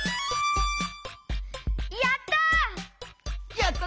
やった！